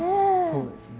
そうですね。